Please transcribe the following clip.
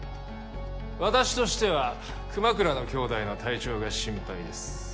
私としては熊倉の兄弟の体調が心配です。